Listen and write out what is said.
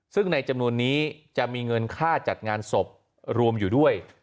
ซึ่งในจำนวนนี้จะมีเงินค่าจัดงานศพรวมอยู่ด้วย